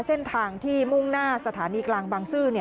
เส้นทางที่มุ่งหน้าสถานีกลางบางซื่อ